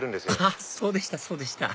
あっそうでしたそうでした